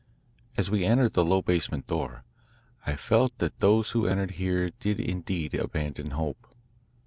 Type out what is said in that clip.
As we entered the low basement door, I felt that those who entered here did indeed abandon hope.